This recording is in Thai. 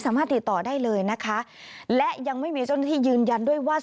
ก็เมาครับเมา